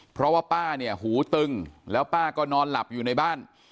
เพราะว่าป้าเนี่ยหูตึงแล้วป้าก็นอนหลับอยู่ในบ้าน